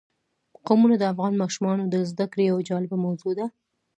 قومونه د افغان ماشومانو د زده کړې یوه جالبه موضوع ده.